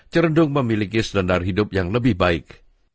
cerdung memiliki sedentar hidup yang lebih baik